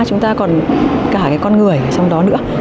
chúng ta còn cả cái con người ở trong đó nữa